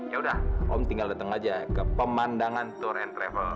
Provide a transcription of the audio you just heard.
ya udah om tinggal dateng aja ke pemandangan toreto